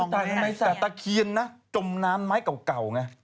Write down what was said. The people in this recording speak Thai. แต่ตะเคียนนะจมน้ำไม้เก่าไง